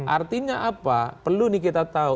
artinya apa perlu nih kita tahu